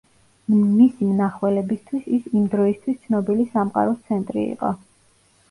მისი მნახველებისთვის ის იმ დროისთვის ცნობილი სამყაროს ცენტრი იყო.